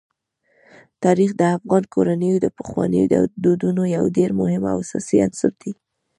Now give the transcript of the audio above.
تاریخ د افغان کورنیو د پخوانیو دودونو یو ډېر مهم او اساسي عنصر دی.